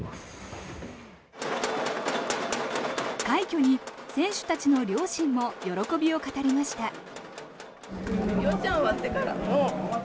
快挙に選手たちの両親も喜びを語りました。